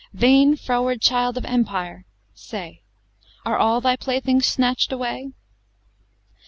Vain froward child of empire! say, Are all thy playthings snatched away?